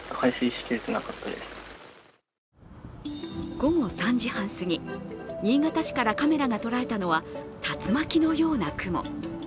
午後３時半すぎ、新潟市からカメラが捉えたのは、竜巻のような雲。